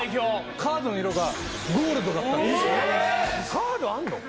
・カードあんの？